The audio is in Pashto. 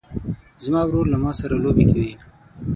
زما ورور له ما سره لوبې کوي.